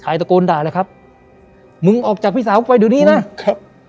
ตะโกนด่าเลยครับมึงออกจากพี่สาวกูไปเดี๋ยวนี้นะครับ